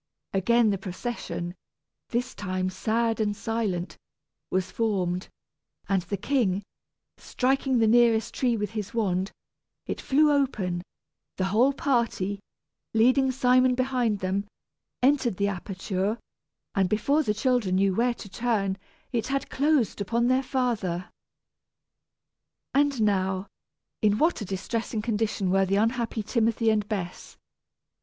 Again the procession this time sad and silent was formed, and the king striking the nearest tree with his wand, it flew open; the whole party, leading Simon behind them, entered the aperture, and before the children knew where to turn, it had closed upon their father. And now, in what a distressing condition were the unhappy Timothy and Bess!